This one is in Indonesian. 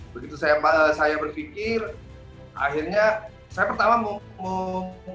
begitu saya berpikir akhirnya saya pertama mau